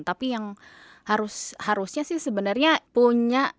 tapi yang harusnya sih sebenarnya punya